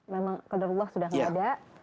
memang kaderullah sudah tidak ada